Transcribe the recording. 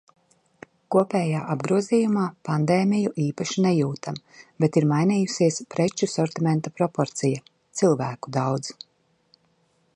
Kopējā apgrozījumā pandēmiju īpaši nejūtam, bet ir mainījusies preču sortimenta proporcija. Cilvēku daudz.